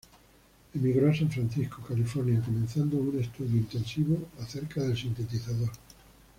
Emigró a San Francisco, California, comenzando un estudio intensivo acerca del sintetizador.